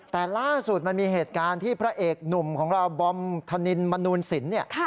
แต่ล่าสุดมันมีเหตุการณ์ที่พระเอกหนุ่มของเราบอมธนินมนูลสินเนี่ย